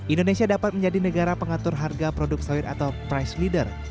indonesia dapat menjadi negara pengatur harga produk sawit atau price leader